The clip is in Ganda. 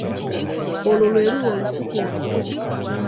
Olwo lwe luba olusuku oluto.